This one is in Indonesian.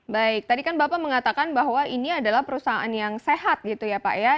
baik tadi kan bapak mengatakan bahwa ini adalah perusahaan yang sehat gitu ya pak ya